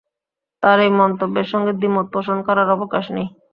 তাঁর এই মন্তব্যের সঙ্গে দ্বিমত পোষণ করার অবকাশ নেই।